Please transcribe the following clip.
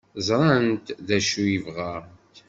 Ẓrant d acu ay bɣant.